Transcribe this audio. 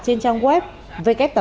trên trang web w tám mươi tám